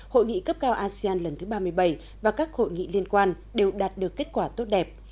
hội nghị cấp cao asean lần thứ ba mươi bảy và các hội nghị liên quan đều đạt được kết quả tốt đẹp